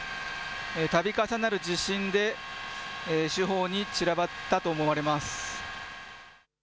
たび重なる地震で、四方に散らばったと思われます。